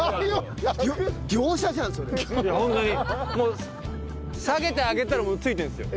いやホントにもう下げて上げたらもうついてるんですよ。